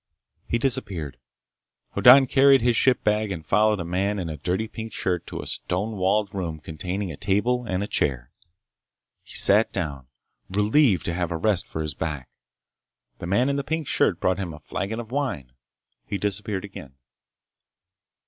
He disappeared. Hoddan carried his ship bag and followed a man in a dirty pink shirt to a stone walled room containing a table and a chair. He sat down, relieved to have a rest for his back. The man in the pink shirt brought him a flagon of wine. He disappeared again.